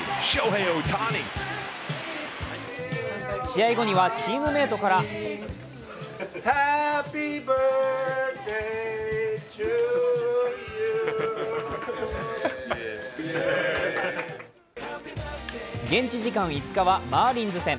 試合後にはチームメートから現地時間５日はマーリンズ戦。